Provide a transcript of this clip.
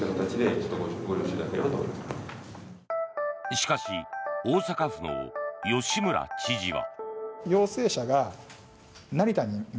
しかし大阪府の吉村知事は。